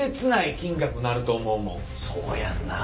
そうやんなあ。